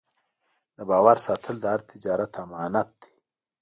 د باور ساتل د هر تجارت امانت دی.